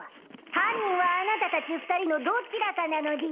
犯人はあなたたち２人のどちらかなのでぃす。